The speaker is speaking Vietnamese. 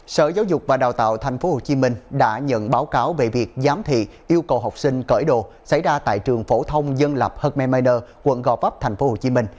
sở giáo dục và đào tạo tp hcm đã nhận báo cáo về việc giám thị yêu cầu học sinh cởi đồ xảy ra tại trường phổ thông dân lập hmmanier quận gò vấp tp hcm